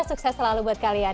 sukses selalu buat kalian